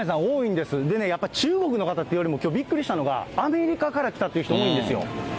でね、やっぱ中国の方っていうよりかは、きょう、びっくりしたのが、アメリカから来たっていう人、多いんですよ。